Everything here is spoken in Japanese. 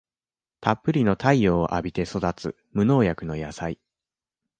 たっぷりの太陽を浴びて育つ無農薬の野菜